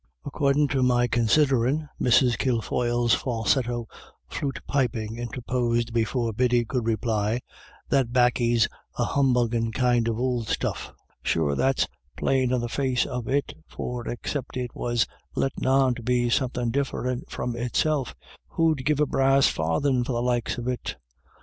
"Accordin' to my considerin'," Mrs. Kilfoyle's falsetto flute piping interposed before Biddy could reply, "that baccy's a humbuggin' kind of ould stuff. Sure that's plain on the face of it, for excipt it was lettin' on to be somethin' diff'rint from itself, who'd give a brass farthin' for the likes of it